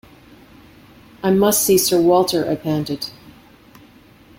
“I must see Sir Walter,” I panted.